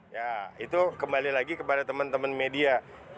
ya itu kembali lagi kepada teman teman media